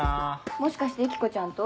もしかしてユキコちゃんと？